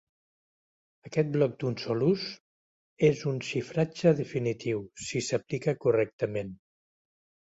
Aquest bloc d'un sol ús és un xifratge definitiu, si s'aplica correctament.